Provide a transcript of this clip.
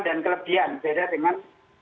dan kelebihan beda dengan